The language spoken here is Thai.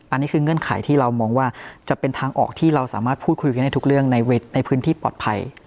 อันนี้คือเงื่อนไขที่เรามองว่าจะเป็นทางออกที่เราสามารถพูดคุยกันได้ทุกเรื่องในพื้นที่ปลอดภัย